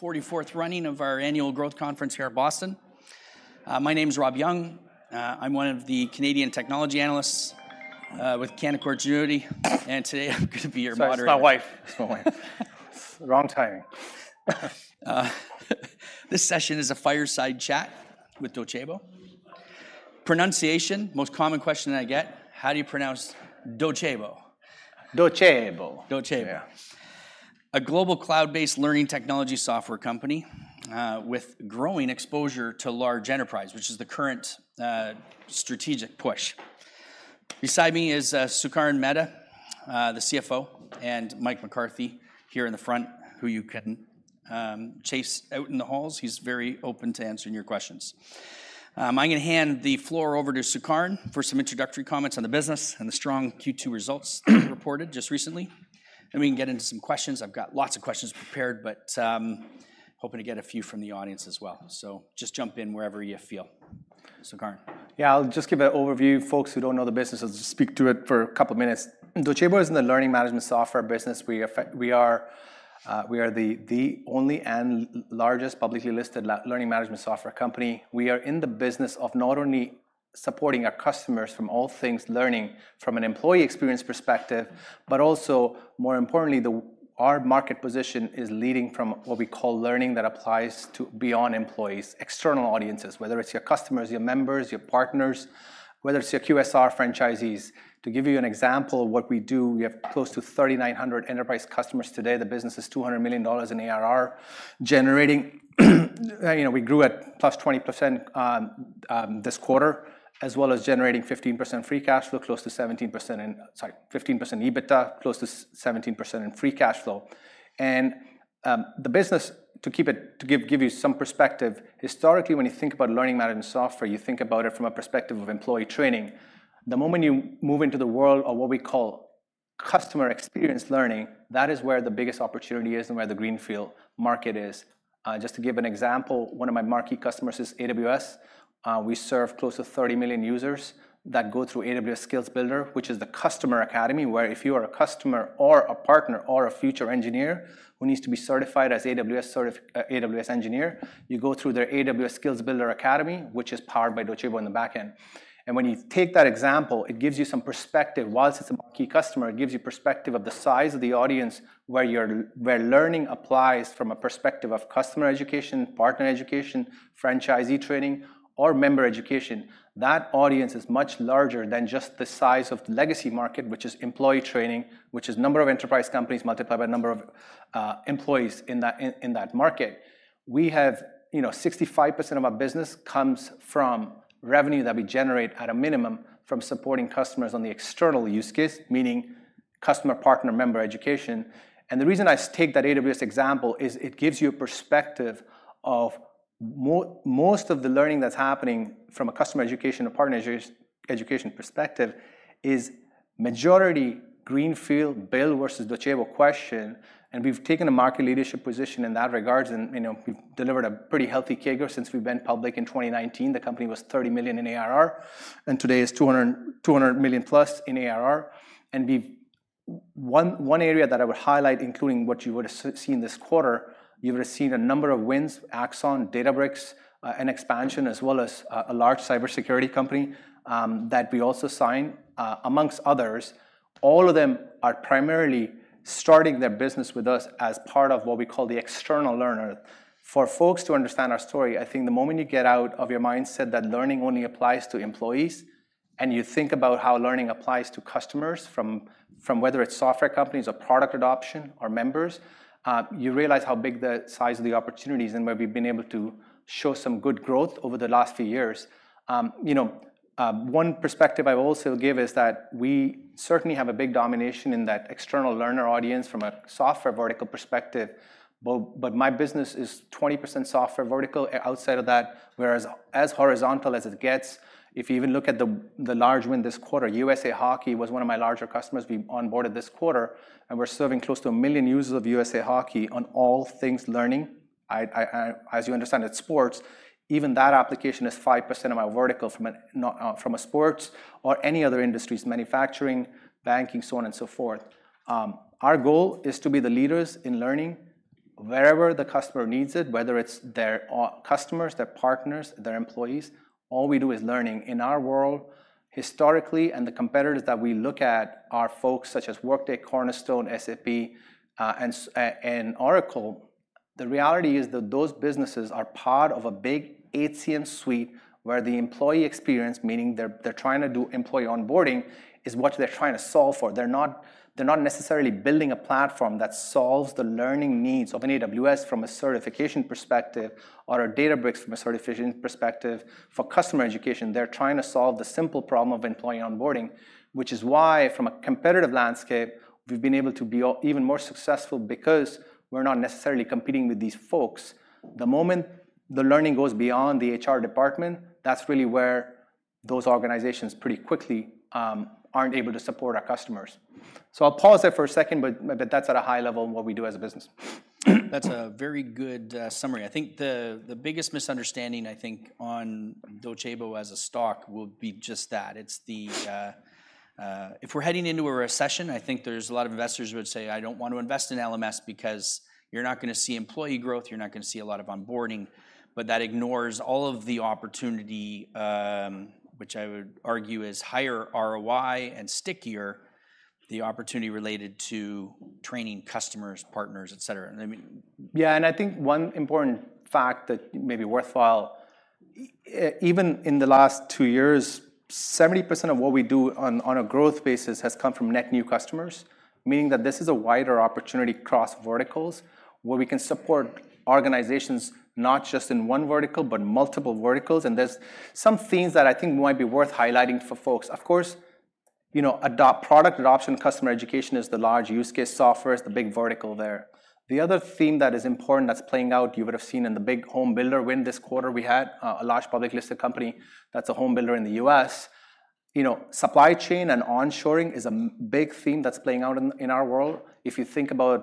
Forty-fourth running of our annual growth conference here at Boston. My name is Rob Young. I'm one of the Canadian technology analysts with Canaccord Genuity, and today I'm gonna be your moderator. Sorry, it's my wife. It's my wife. Wrong timing. This session is a fireside chat with Docebo. Pronunciation, most common question I get: how do you pronounce Docebo? Docebo. Docebo. Yeah. A global cloud-based learning technology software company, with growing exposure to large enterprise, which is the current, strategic push. Beside me is, Sukaran Mehta, the CFO, and Mike McCarthy here in the front, who you can, chase out in the halls. He's very open to answering your questions. I'm gonna hand the floor over to Sukaran for some introductory comments on the business and the strong Q2 results he reported just recently, and we can get into some questions. I've got lots of questions prepared, but, hoping to get a few from the audience as well. So just jump in wherever you feel. Sukaran. Yeah, I'll just give an overview, folks who don't know the business. I'll just speak to it for a couple of minutes. Docebo is in the learning management software business. We are the only and largest publicly listed learning management software company. We are in the business of not only supporting our customers from all things learning from an employee experience perspective, but also, more importantly, our market position is leading from what we call learning that applies to beyond employees, external audiences, whether it's your customers, your members, your partners, whether it's your QSR franchisees. To give you an example of what we do, we have close to 3,900 enterprise customers today. The business is $200 million in ARR, generating, you know, we grew at +20%, this quarter, as well as generating 15% free cash flow, close to 17% in... Sorry, 15% EBITDA, close to 17% in free cash flow. And, the business, to give you some perspective, historically, when you think about learning management software, you think about it from a perspective of employee training. The moment you move into the world of what we call customer experience learning, that is where the biggest opportunity is and where the greenfield market is. Just to give an example, one of my marquee customers is AWS. We serve close to 30 million users that go through AWS Skills Builder, which is the customer academy, where if you are a customer, or a partner, or a future engineer who needs to be certified as an AWS engineer, you go through their AWS Skill Builder academy, which is powered by Docebo on the back end. And when you take that example, it gives you some perspective. Whilst it's a key customer, it gives you perspective of the size of the audience, where you're, where learning applies from a perspective of customer education, partner education, franchisee training, or member education. That audience is much larger than just the size of the legacy market, which is employee training, which is number of enterprise companies multiplied by number of employees in that market. We have... You know, 65% of our business comes from revenue that we generate at a minimum from supporting customers on the external use case, meaning customer, partner, member education. The reason I take that AWS example is it gives you a perspective of most of the learning that's happening from a customer education, a partner education perspective, is majority greenfield build versus Docebo question, and we've taken a market leadership position in that regards, and, you know, we've delivered a pretty healthy CAGR since we've been public in 2019. The company was $30 million in ARR, and today is $200 million plus in ARR. We've... One area that I would highlight, including what you would have seen this quarter, you would have seen a number of wins, Axon, Databricks, and expansion, as well as a large cybersecurity company that we also signed, amongst others. All of them are primarily starting their business with us as part of what we call the external learner. For folks to understand our story, I think the moment you get out of your mindset that learning only applies to employees, and you think about how learning applies to customers, from whether it's software companies or product adoption or members, you realize how big the size of the opportunity is and where we've been able to show some good growth over the last few years. You know, one perspective I will also give is that we certainly have a big domination in that external learner audience from a software vertical perspective, but my business is 20% software vertical outside of that, whereas as horizontal as it gets, if you even look at the large win this quarter, USA Hockey was one of my larger customers we onboarded this quarter, and we're serving close to 1 million users of USA Hockey on all things learning. As you understand, it's sports. Even that application is 5% of my vertical from a not from a sports or any other industries, manufacturing, banking, so on and so forth. Our goal is to be the leaders in learning wherever the customer needs it, whether it's their customers, their partners, their employees. All we do is learning. In our world, historically, the competitors that we look at are folks such as Workday, Cornerstone, SAP SuccessFactors, and Oracle. The reality is that those businesses are part of a big HCM suite, where the employee experience, meaning they're, they're trying to do employee onboarding, is what they're trying to solve for. They're not, they're not necessarily building a platform that solves the learning needs of an AWS from a certification perspective or a Databricks from a certification perspective. For customer education, they're trying to solve the simple problem of employee onboarding, which is why, from a competitive landscape, we've been able to be even more successful because we're not necessarily competing with these folks. The moment the learning goes beyond the HR department, that's really where those organizations pretty quickly aren't able to support our customers. So I'll pause there for a second, but, but that's at a high level what we do as a business. That's a very good summary. I think the biggest misunderstanding, I think, on Docebo as a stock will be just that. It's if we're heading into a recession, I think there's a lot of investors who would say, "I don't want to invest in LMS because you're not gonna see employee growth, you're not gonna see a lot of onboarding." But that ignores all of the opportunity, which I would argue is higher ROI and stickier, the opportunity related to training customers, partners, et cetera. I mean- Yeah, and I think one important fact that may be worthwhile, even in the last two years, 70% of what we do on, on a growth basis has come from net new customers. Meaning that this is a wider opportunity across verticals, where we can support organizations not just in one vertical, but multiple verticals, and there's some themes that I think might be worth highlighting for folks. Of course, you know, adopt product adoption, customer education is the large use case. Software is the big vertical there. The other theme that is important that's playing out, you would have seen in the big home builder win this quarter, we had, a large public listed company that's a home builder in the U.S. You know, supply chain and onshoring is a big theme that's playing out in, in our world. If you think about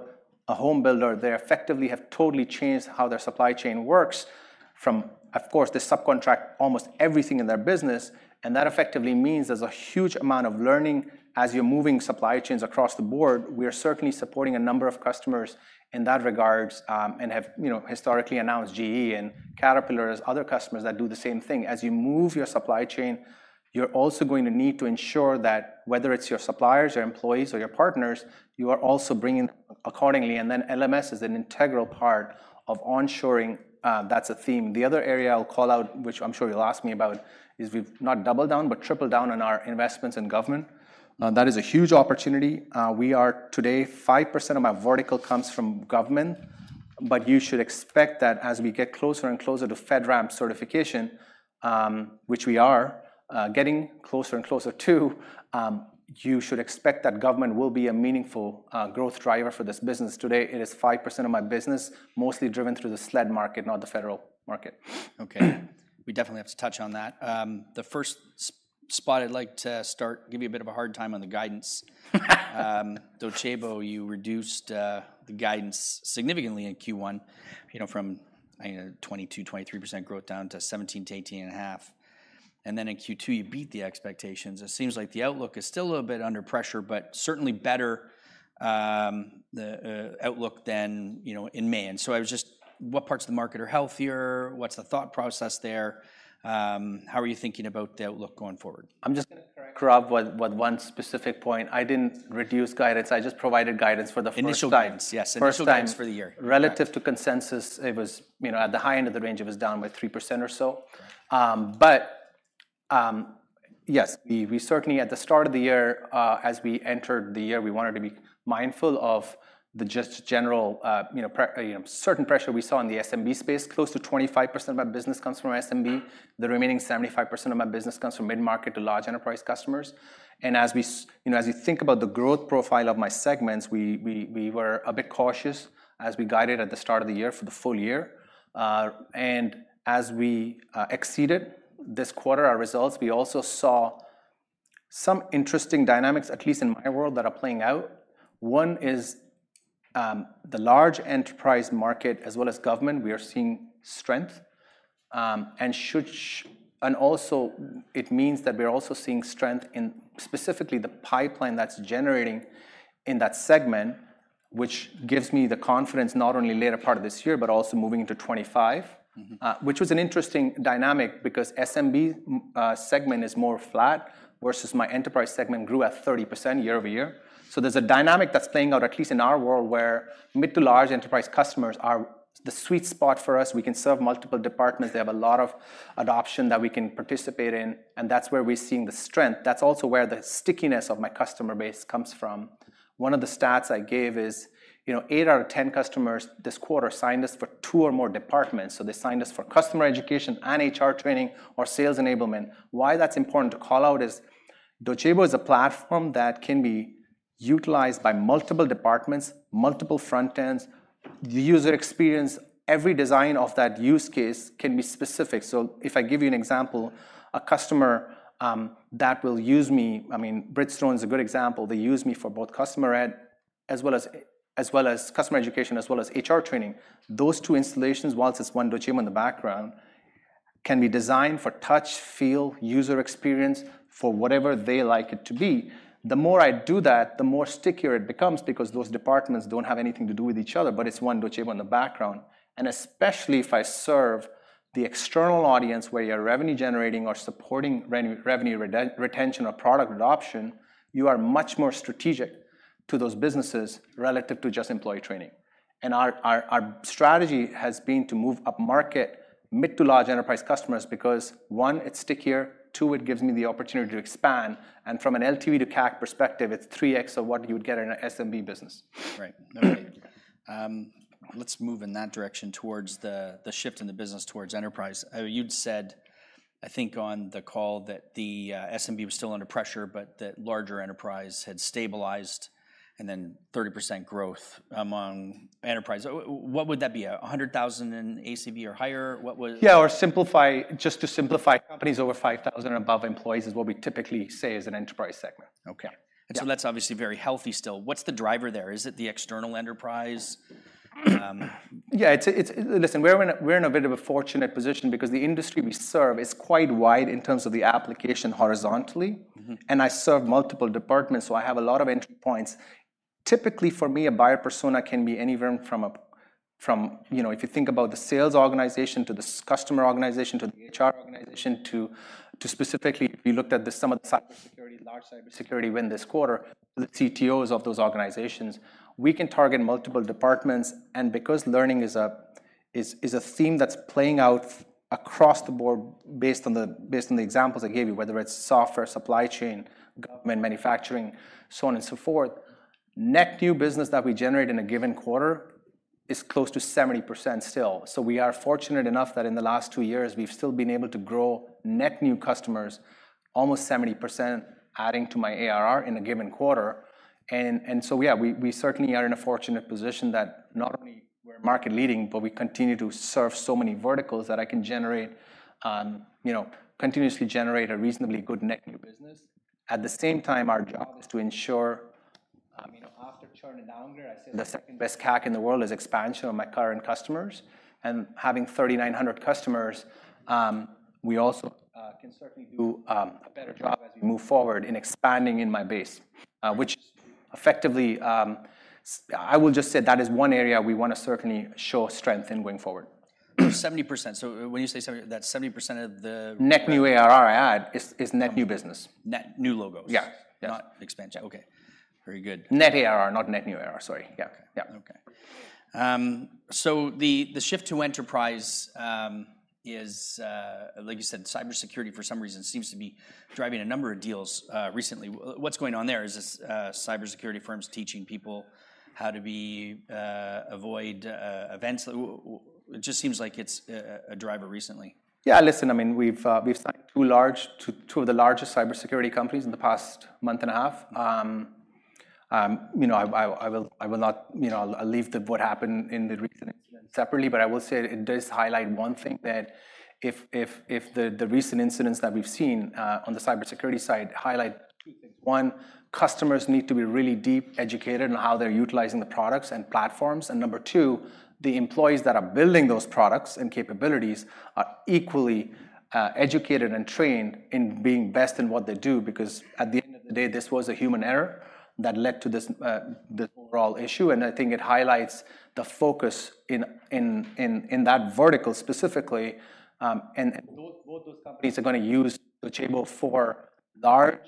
a home builder, they effectively have totally changed how their supply chain works from... Of course, they subcontract almost everything in their business, and that effectively means there's a huge amount of learning as you're moving supply chains across the board. We are certainly supporting a number of customers in that regard, and have, you know, historically announced GE and Caterpillar as other customers that do the same thing. As you move your supply chain, you're also going to need to ensure that whether it's your suppliers, your employees, or your partners, you are also bringing accordingly, and then LMS is an integral part of onshoring. That's a theme. The other area I'll call out, which I'm sure you'll ask me about, is we've not doubled down, but tripled down on our investments in government. That is a huge opportunity. Today, 5% of my vertical comes from government, but you should expect that as we get closer and closer to FedRAMP certification, which we are getting closer and closer to, you should expect that government will be a meaningful growth driver for this business. Today, it is 5% of my business, mostly driven through the SLED market, not the federal market. Okay. We definitely have to touch on that. The first spot I'd like to start, give you a bit of a hard time on the guidance. Docebo, you reduced the guidance significantly in Q1, you know, from 22%-23% growth down to 17%-18.5%, and then in Q2, you beat the expectations. It seems like the outlook is still a little bit under pressure, but certainly better the outlook than, you know, in May. And so I was just, what parts of the market are healthier? What's the thought process there? How are you thinking about the outlook going forward? I'm just gonna correct, Gaurav, one specific point. I didn't reduce guidance. I just provided guidance for the first time. Initial guidance, yes. First time- Initial guidance for the year... Relative to consensus, it was, you know, at the high end of the range, it was down by 3% or so. But yes, we certainly, at the start of the year, as we entered the year, we wanted to be mindful of the just general, you know, certain pressure we saw in the SMB space. Close to 25% of my business comes from SMB. Mm-hmm. The remaining 75% of my business comes from mid-market to large enterprise customers, and as we you know, as you think about the growth profile of my segments, we were a bit cautious as we guided at the start of the year for the full year. And as we exceeded this quarter our results, we also saw some interesting dynamics, at least in my world, that are playing out. One is the large enterprise market as well as government, we are seeing strength, and also it means that we're also seeing strength in specifically the pipeline that's generating in that segment, which gives me the confidence not only later part of this year, but also moving into 2025. Mm-hmm. which was an interesting dynamic because SMB segment is more flat, versus my enterprise segment grew at 30% year-over-year. So there's a dynamic that's playing out, at least in our world, where mid to large enterprise customers are the sweet spot for us. We can serve multiple departments. They have a lot of adoption that we can participate in, and that's where we're seeing the strength. That's also where the stickiness of my customer base comes from. One of the stats I gave is, you know, 8 out of 10 customers this quarter signed us for 2 or more departments. So they signed us for customer education and HR training or sales enablement. Why that's important to call out is Docebo is a platform that can be utilized by multiple departments, multiple front ends, user experience. Every design of that use case can be specific. So if I give you an example, a customer that will use me... I mean, Bridgestone is a good example. They use me for both customer ed, as well as, as well as customer education, as well as HR training. Those two installations, whilst it's one Docebo in the background, can be designed for touch, feel, user experience, for whatever they like it to be. The more I do that, the more stickier it becomes, because those departments don't have anything to do with each other, but it's one Docebo in the background. And especially if I serve the external audience, where you're revenue generating or supporting revenue retention or product adoption, you are much more strategic to those businesses relative to just employee training. Our strategy has been to move upmarket, mid- to large enterprise customers, because, one, it's stickier, two, it gives me the opportunity to expand, and from an LTV to CAC perspective, it's 3x of what you would get in an SMB business. Right. Okay. Let's move in that direction towards the shift in the business towards enterprise. You'd said, I think on the call, that the SMB was still under pressure, but that larger enterprise had stabilized, and then 30% growth among enterprise. What would that be? 100,000 in ACV or higher? What was- Yeah, or simplify, just to simplify, companies over 5,000 and above employees is what we typically say is an enterprise segment. Okay. Yeah. And so that's obviously very healthy still. What's the driver there? Is it the external enterprise? Yeah, it's, listen, we're in a bit of a fortunate position because the industry we serve is quite wide in terms of the application horizontally. Mm-hmm. I serve multiple departments, so I have a lot of entry points. Typically, for me, a buyer persona can be anywhere from, you know, if you think about the sales organization, to the customer organization, to the HR organization, to specifically, we looked at some of the cybersecurity, large cybersecurity win this quarter, the CTOs of those organizations. We can target multiple departments, and because learning is a theme that's playing out across the board based on the examples I gave you, whether it's software, supply chain, government, manufacturing, so on and so forth, net new business that we generate in a given quarter is close to 70% still. So we are fortunate enough that in the last two years, we've still been able to grow net new customers, almost 70%, adding to my ARR in a given quarter. And so, yeah, we certainly are in a fortunate position that not only we're market leading, but we continue to serve so many verticals that I can generate, you know, continuously generate a reasonably good net new business. At the same time, our job is to ensure, I mean, after churning down there, I say the second-best CAC in the world is expansion of my current customers. And having 3,900 customers, we also can certainly do a better job as we move forward in expanding in my base. Which effectively, I will just say that is one area we want to certainly show strength in going forward. 70%. So when you say seventy, that 70% of the- Net new ARR added is net new business. Net new logos? Yeah. Yeah. Not expansion. Okay. Very good. Net ARR, not net new ARR, sorry. Yeah. Okay. Yeah. Okay. So the shift to enterprise, like you said, cybersecurity, for some reason, seems to be driving a number of deals recently. What's going on there? Is this cybersecurity firms teaching people how to avoid events? It just seems like it's a driver recently. Yeah, listen, I mean, we've signed two large, two of the largest cybersecurity companies in the past month and a half. You know, I will not, you know, I'll leave what happened in the recent incident separately, but I will say it does highlight one thing, that if the recent incidents that we've seen on the cybersecurity side highlight two things: One, customers need to be really deep educated on how they're utilizing the products and platforms. And number two, the employees that are building those products and capabilities are equally educated and trained in being best in what they do, because at the end of the day, this was a human error that led to this overall issue, and I think it highlights the focus in that vertical specifically. Both those companies are gonna use the table for large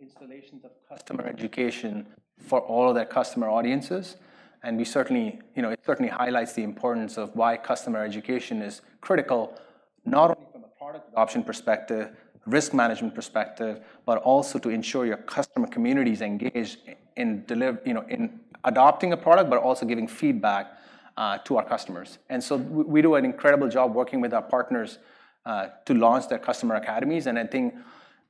installations of customer education for all of their customer audiences. And we certainly, you know, it certainly highlights the importance of why customer education is critical, not only from a product adoption perspective, risk management perspective, but also to ensure your customer community is engaged in, you know, in adopting a product, but also giving feedback to our customers. And so we do an incredible job working with our partners to launch their customer academies. And I think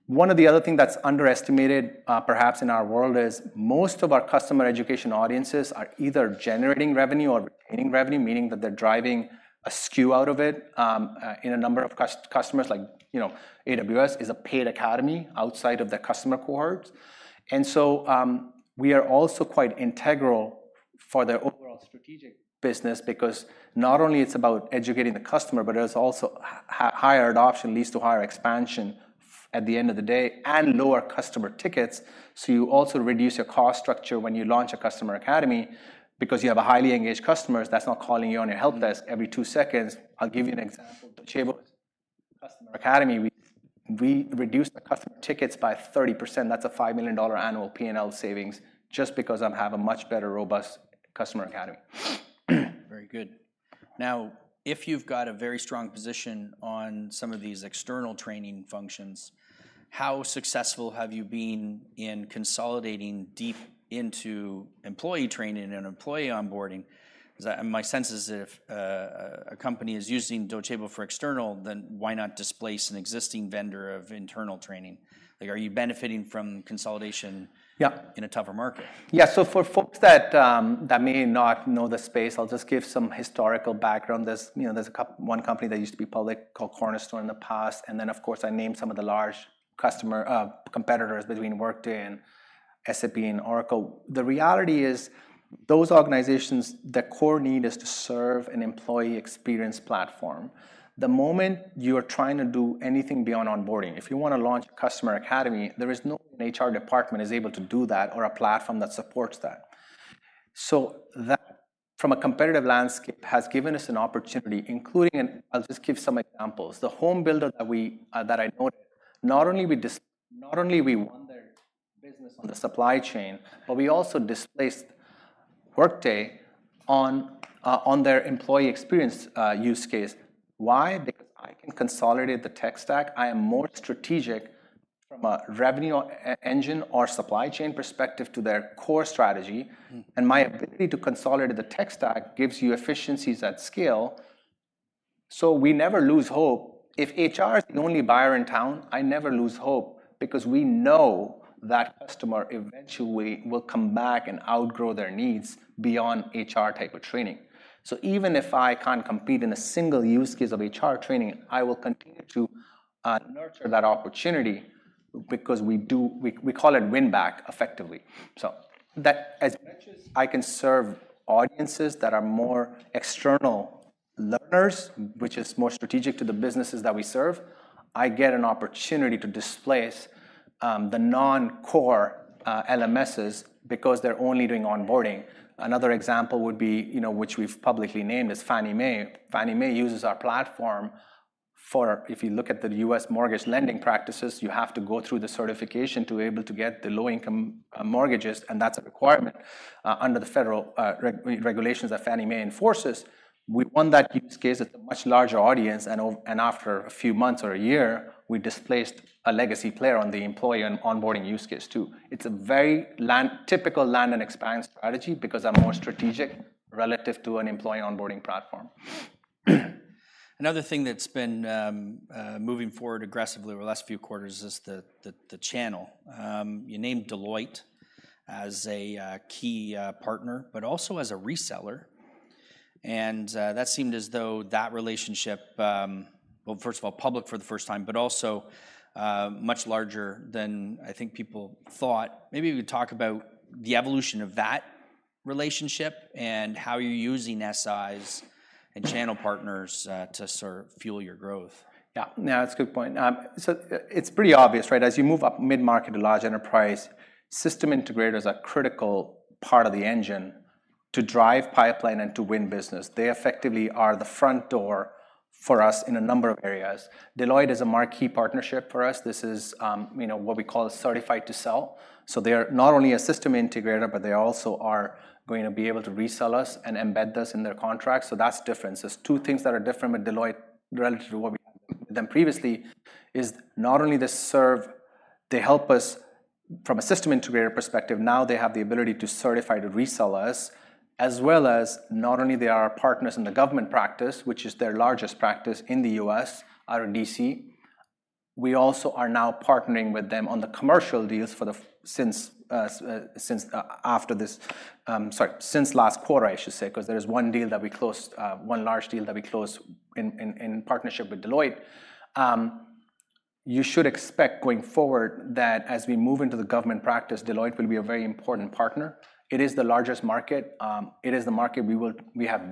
one of the other thing that's underestimated, perhaps in our world, is most of our customer education audiences are either generating revenue or retaining revenue, meaning that they're driving a SKU out of it. In a number of customers, like, you know, AWS is a paid academy outside of their customer cohorts. And so, we are also quite integral for their overall strategic business because not only it's about educating the customer, but it is also higher adoption leads to higher expansion at the end of the day, and lower customer tickets. So you also reduce your cost structure when you launch a customer academy because you have a highly engaged customers that's not calling you on your helpdesk every two seconds. I'll give you an example, the customer academy, we, we reduced the customer tickets by 30%. That's a $5 million annual P&L savings, just because I'm have a much better, robust customer academy. Very good. Now, if you've got a very strong position on some of these external training functions, how successful have you been in consolidating deep into employee training and employee onboarding? 'Cause my sense is if a company is using Docebo for external, then why not displace an existing vendor of internal training? Like, are you benefiting from consolidation- Yeah. in a tougher market? Yeah. So for folks that, that may not know the space, I'll just give some historical background. There's, you know, there's a one company that used to be public called Cornerstone in the past, and then, of course, I named some of the large customer, competitors between Workday and SAP, and Oracle. The reality is, those organizations, the core need is to serve an employee experience platform. The moment you are trying to do anything beyond onboarding, if you want to launch a customer academy, there is no HR department is able to do that or a platform that supports that. So that, from a competitive landscape, has given us an opportunity, including, and I'll just give some examples. The home builder that we, that I noted, not only we won their business on the supply chain, but we also displaced Workday on their employee experience use case. Why? Because I can consolidate the tech stack, I am more strategic from a revenue or engineering or supply chain perspective to their core strategy. Mm-hmm. My ability to consolidate the tech stack gives you efficiencies at scale. So we never lose hope. If HR is the only buyer in town, I never lose hope, because we know that customer eventually will come back and outgrow their needs beyond HR type of training. So even if I can't compete in a single use case of HR training, I will continue to nurture that opportunity because we do. We call it win back effectively. So that as much as I can serve audiences that are more external learners, which is more strategic to the businesses that we serve, I get an opportunity to displace the non-core LMSs because they're only doing onboarding. Another example would be, you know, which we've publicly named, is Fannie Mae. Fannie Mae uses our platform for... If you look at the U.S. mortgage lending practices, you have to go through the certification to be able to get the low-income mortgages, and that's a requirement under the federal regulations that Fannie Mae enforces. We won that use case at a much larger audience, and after a few months or a year, we displaced a legacy player on the employee and onboarding use case, too. It's a very typical land and expand strategy because I'm more strategic relative to an employee onboarding platform. Another thing that's been moving forward aggressively over the last few quarters is the channel. You named Deloitte as a key partner, but also as a reseller, and that seemed as though that relationship, well, first of all, public for the first time, but also much larger than I think people thought. Maybe we could talk about the evolution of that relationship and how you're using SIs and channel partners to sort of fuel your growth. Yeah. Yeah, it's a good point. So it's pretty obvious, right? As you move up mid-market to large enterprise, system integrators are critical part of the engine to drive pipeline and to win business. They effectively are the front door for us in a number of areas. Deloitte is a marquee partnership for us. This is, you know, what we call a certified to sell. So they are not only a system integrator, but they also are going to be able to resell us and embed us in their contracts, so that's different. There's two things that are different with Deloitte relative to what we've done previously, is not only they serve, they help us from a system integrator perspective, now they have the ability to certify to resell us, as well as not only they are our partners in the government practice, which is their largest practice in the U.S., out of D.C., we also are now partnering with them on the commercial deals for the... Since since after this, sorry, since last quarter, I should say, 'cause there is one deal that we closed, one large deal that we closed in partnership with Deloitte. You should expect going forward that as we move into the government practice, Deloitte will be a very important partner. It is the largest market. It is the market we will—we have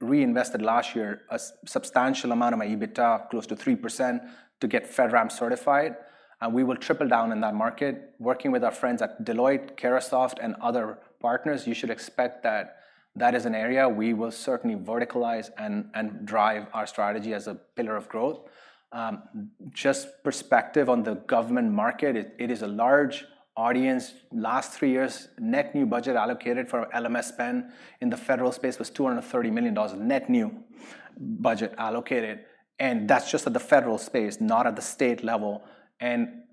reinvested last year a substantial amount of my EBITDA, close to 3%, to get FedRAMP certified, and we will triple down in that market. Working with our friends at Deloitte, Carahsoft, and other partners, you should expect that that is an area we will certainly verticalize and drive our strategy as a pillar of growth. Just perspective on the government market, it is a large audience. Last 3 years, net new budget allocated for LMS spend in the federal space was $230 million of net new budget allocated, and that's just at the federal space, not at the state level.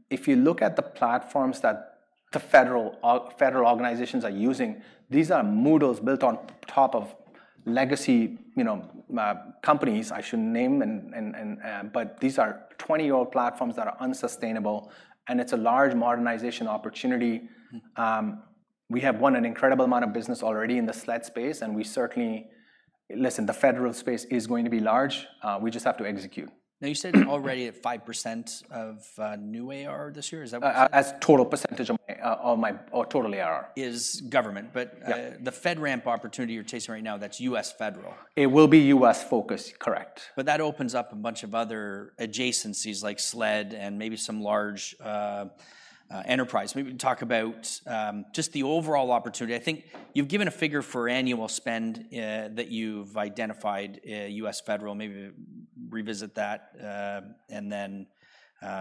If you look at the platforms that the federal organizations are using, these are Moodle built on top of legacy, you know, companies I shouldn't name, but these are 20-year-old platforms that are unsustainable, and it's a large modernization opportunity. We have won an incredible amount of business already in the SLED space, and we certainly... Listen, the federal space is going to be large, we just have to execute. Now, you said already at 5% of new AR this year, is that what you said? as total percentage of my total AR. Is government. Yeah. The FedRAMP opportunity you're chasing right now, that's U.S. federal? It will be U.S.-focused, correct. But that opens up a bunch of other adjacencies like SLED and maybe some large, enterprise. Maybe talk about, just the overall opportunity. I think you've given a figure for annual spend, that you've identified, U.S. federal. Maybe revisit that, and then,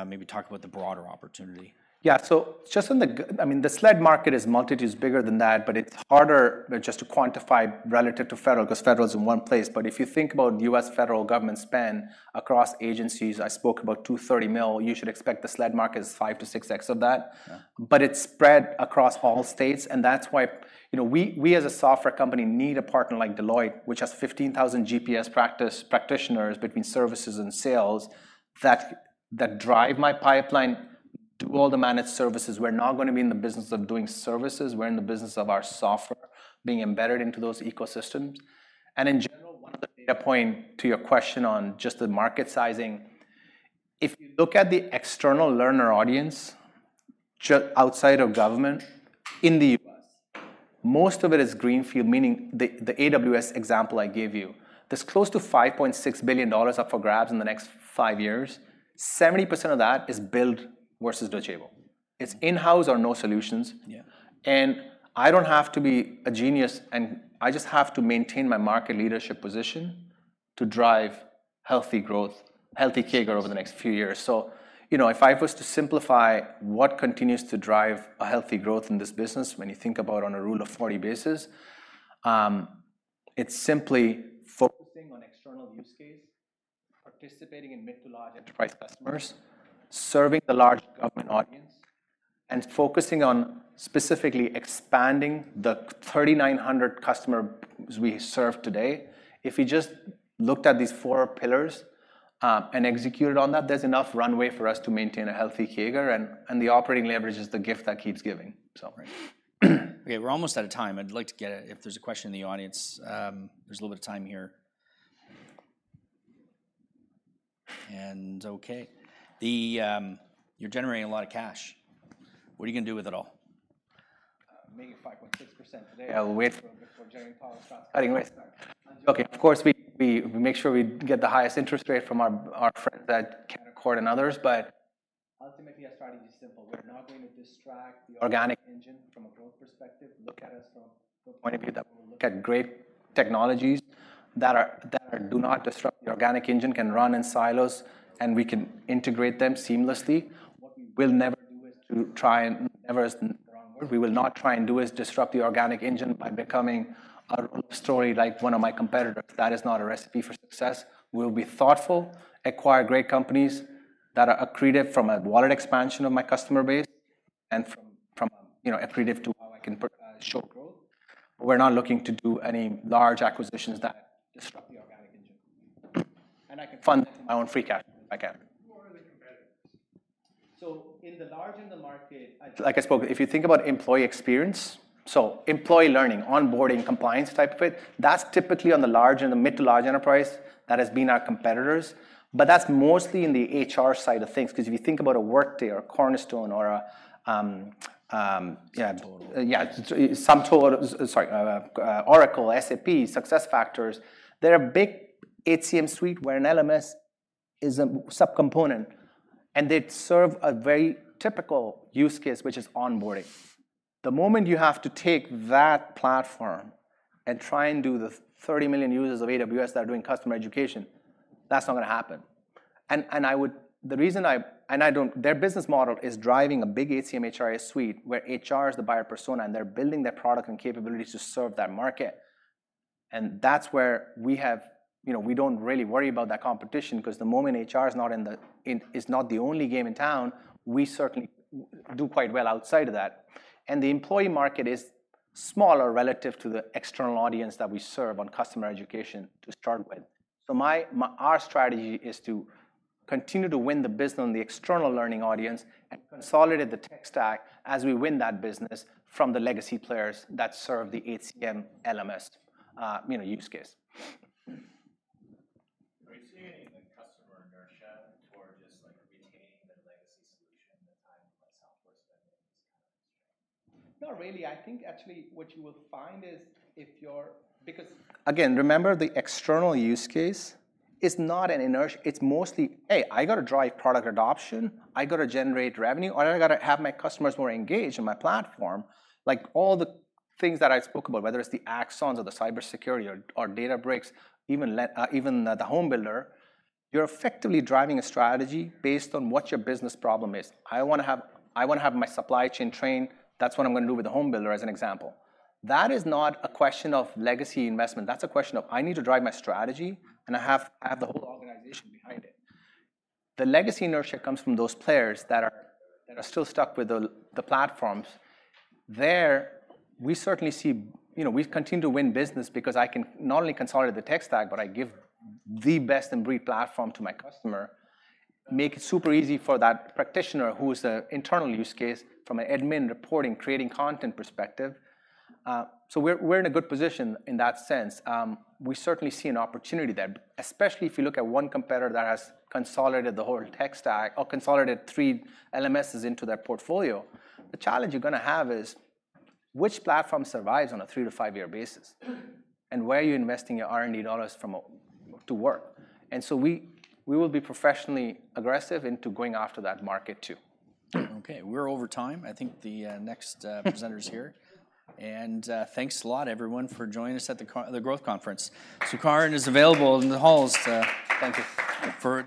maybe talk about the broader opportunity. Yeah. So just on the—I mean, the SLED market is multitudes bigger than that, but it's harder just to quantify relative to federal, because federal is in one place. But if you think about U.S. federal government spend across agencies, I spoke about $230 million, you should expect the SLED market is 5-6x of that. Yeah. But it's spread across all states, and that's why, you know, we as a software company need a partner like Deloitte, which has 15,000 GPS practice practitioners between services and sales that drive my pipeline to all the managed services. We're not gonna be in the business of doing services; we're in the business of our software being embedded into those ecosystems. And in general, one of the data point to your question on just the market sizing, if you look at the external learner audience, just outside of government in the U.S., most of it is greenfield, meaning the AWS example I gave you. There's close to $5.6 billion up for grabs in the next five years. 70% of that is build versus buy table. It's in-house or no solutions. Yeah. I don't have to be a genius, and I just have to maintain my market leadership position to drive healthy growth, healthy CAGR over the next few years. So, you know, if I was to simplify what continues to drive a healthy growth in this business, when you think about on a rule of 40 basis, it's simply four use case, participating in mid- to large enterprise customers, serving the large government audience, and focusing on specifically expanding the 3,900 customer we serve today. If we just looked at these four pillars, and executed on that, there's enough runway for us to maintain a healthy CAGR, and the operating leverage is the gift that keeps giving. So. Okay, we're almost out of time. I'd like to get, if there's a question in the audience, there's a little bit of time here. Okay. You're generating a lot of cash. What are you gonna do with it all? Making 5.6% today. I'll wait. Before Jerome Powell. Anyways. Okay, of course, we make sure we get the highest interest rate from our friends at Canaccord and others, but ultimately, our strategy is simple. We're not going to distract the organic engine from a growth perspective. Look at us from the point of view that look at great technologies that do not disrupt the organic engine, can run in silos, and we can integrate them seamlessly. What we will never do is to try and never is the wrong word. We will not try and do is disrupt the organic engine by becoming a story like one of my competitors. That is not a recipe for success. We'll be thoughtful, acquire great companies that are accretive from a wallet expansion of my customer base and from, you know, accretive to how I can show growth. We're not looking to do any large acquisitions that disrupt the organic engine. And I can fund my own free cash if I can. Who are the competitors? So in the large, in the market, like I spoke, if you think about employee experience, so employee learning, onboarding, compliance type of it, that's typically on the large and the mid to large enterprise that has been our competitors, but that's mostly in the HR side of things. Because if you think about a Workday or Cornerstone or a SumTotal... Yeah, SumTotal, sorry, Oracle, SAP, SuccessFactors, they're a big HCM suite where an LMS is a subcomponent, and they serve a very typical use case, which is onboarding. The moment you have to take that platform and try and do the 30 million users of AWS that are doing customer education, that's not gonna happen. And the reason I, and I don't, their business model is driving a big HCM, HRIS suite, where HR is the buyer persona, and they're building their product and capabilities to serve that market, and that's where we have. You know, we don't really worry about that competition, 'cause the moment HR is not in the, is not the only game in town, we certainly do quite well outside of that. And the employee market is smaller relative to the external audience that we serve on customer education to start with. So our strategy is to continue to win the business on the external learning audience and consolidate the tech stack as we win that business from the legacy players that serve the HCM, LMS, you know, use case. Are you seeing any customer inertia toward just, like, retaining the legacy solution, the time like Salesforce spending this kind of strength? Not really. I think actually what you will find is if you're... Because, again, remember, the external use case is not an inertia, it's mostly, A, I got to drive product adoption, I got to generate revenue, or I got to have my customers more engaged in my platform. Like, all the things that I spoke about, whether it's the Axons or the cybersecurity or Databricks, even the homebuilder, you're effectively driving a strategy based on what your business problem is. I wanna have, I wanna have my supply chain trained. That's what I'm gonna do with the homebuilder as an example. That is not a question of legacy investment. That's a question of I need to drive my strategy, and I have, I have the whole organization behind it. The legacy inertia comes from those players that are, that are still stuck with the platforms. There, we certainly see, you know, we've continued to win business because I can not only consolidate the tech stack, but I give the best in breed platform to my customer, make it super easy for that practitioner who is an internal use case from an admin reporting, creating content perspective. So we're in a good position in that sense. We certainly see an opportunity there, especially if you look at one competitor that has consolidated the whole tech stack or consolidated three LMSs into their portfolio. The challenge you're gonna have is, which platform survives on a three to five-year basis? And where are you investing your R&D dollars from, to work? And so we will be professionally aggressive into going after that market too. Okay, we're over time. I think the next presenter is here. Thanks a lot, everyone, for joining us at the Growth Conference. Sukaran is available in the halls. Thank you... for-